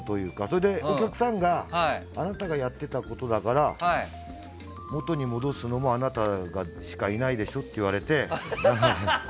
それでお客さんがあなたがやってたことだから元に戻すのもあなたしかいないでしょって言われて。